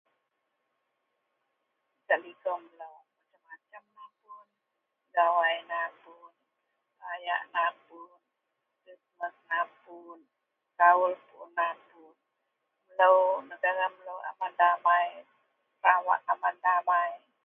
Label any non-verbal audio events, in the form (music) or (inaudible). (unintelligible) gak liko melou... (unintelligible) gawai napun, rayak napun... (unintelligible) kaul pun napun... (unintelligible) aman damai, sarawak aman damai